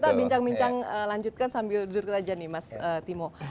kita bincang bincang lanjutkan sambil duduk aja nih mas timo